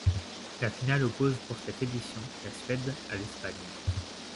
La finale oppose, pour cette édition, la Suède à l'Espagne.